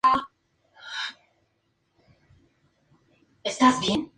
Con este conjunto estrenó Julio "Mon beguin", su primer tango.